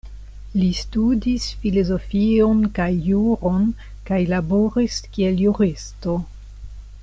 Li studis filozofion kaj juron kaj laboris kiel juristo.